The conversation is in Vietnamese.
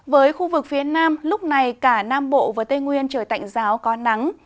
với khu vực phía nam lúc này cả nam bộ và tây nguyên trời tạnh giáo có nắng